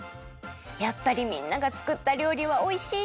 やっぱりみんながつくったりょうりはおいしいね！